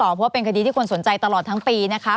เพราะว่าเป็นคดีที่คนสนใจตลอดทั้งปีนะคะ